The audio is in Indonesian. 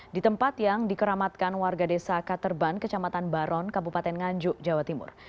di tempat yang dikeramatkan warga desa katerban kecamatan baron kabupaten nganjuk jawa timur